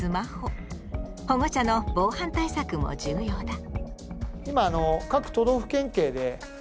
保護者の防犯対策も重要だ。